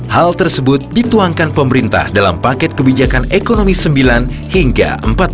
hal tersebut dituangkan pemerintah dalam paket kebijakan ekonomi sembilan hingga empat belas